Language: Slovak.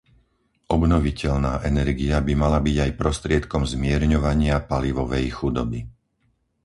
Obnoviteľná energia by mala byť aj prostriedkom zmierňovania palivovej chudoby.